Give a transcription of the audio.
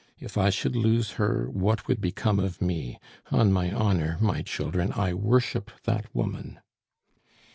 If I should lose her, what would become of me? On my honor, my children, I worship that woman."